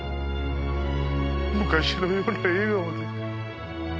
昔のような笑顔で。